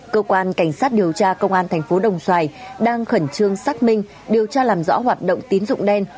cơ quan cảnh sát điều tra công an thành phố đồng xoài đang khẩn trương xác minh điều tra làm rõ hoạt động tín dụng đen